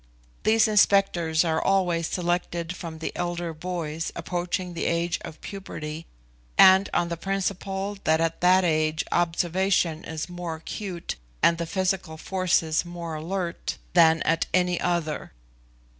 These inspectors are always selected from the elder boys approaching the age of puberty, and on the principle that at that age observation is more acute and the physical forces more alert than at any other.